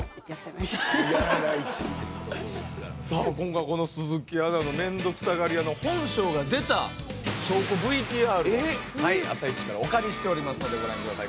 さあ今回この鈴木アナのめんどくさがり屋の本性が出た証拠ＶＴＲを「あさイチ」からお借りしておりますのでご覧ください